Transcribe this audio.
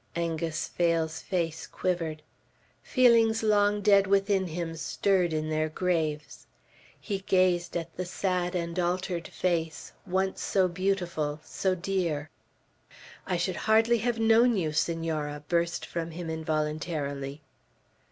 Angus Phail's face quivered. Feelings long dead within him stirred in their graves. He gazed at the sad and altered face, once so beautiful, so dear. "I should hardly have known you, Senora!" burst from him involuntarily.